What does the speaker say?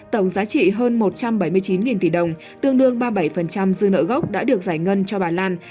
tổng giá trị hơn một trăm bảy mươi chín tỷ đồng tương đương ba mươi bảy dư nợ gốc đã được giải ngân cho bà lan